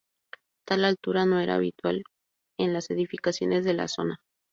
Tal altura no era habitual en las edificaciones de la zona.